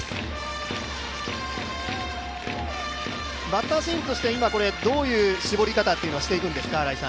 バッター心理としてはどういう絞り方をしていくんですか。